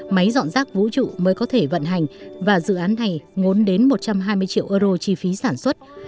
máy dọn rác vũ trụ mới có thể vận hành và dự án này ngốn đến một trăm hai mươi triệu euro chi phí sản xuất